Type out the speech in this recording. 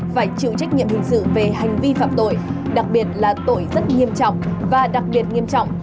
phải chịu trách nhiệm hình sự về hành vi phạm tội đặc biệt là tội rất nghiêm trọng và đặc biệt nghiêm trọng